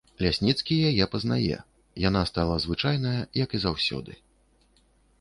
Лясніцкі яе пазнае, яна стала звычайная, як і заўсёды.